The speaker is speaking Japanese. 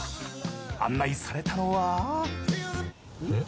案内されたのは。